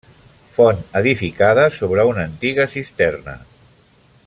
Font edificada sobre una antiga cisterna.